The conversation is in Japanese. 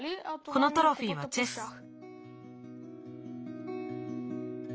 このトロフィーはチェス。